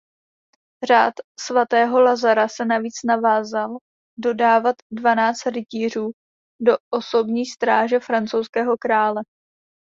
Řád svatého Lazara se navíc zavázal dodávat dvanáct rytířů do osobní stráže francouzského krále.